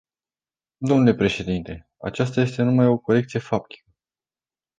Dle președinte, aceasta este numai o corecție faptică.